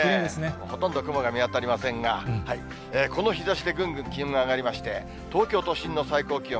ほとんど雲が見当たりませんが、この日ざしでぐんぐん気温が上がりまして、東京都心の最高気温、